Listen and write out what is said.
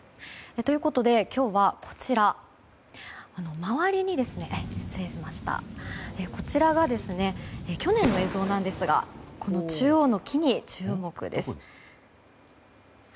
ということでこちらが、去年の映像なんですがこの中央の木に注目です。